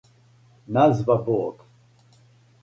назва Бог